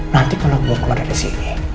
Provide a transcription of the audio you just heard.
nanti kalau gue keluar ke sini